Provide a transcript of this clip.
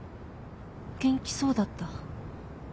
元気そうだった？